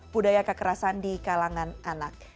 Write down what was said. budaya kekerasan di kalangan anak